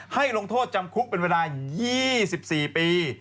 ลงโทษจำคุกเป็นเวลา๒๔ปี